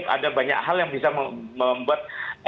ada banyak hal yang bisa membuat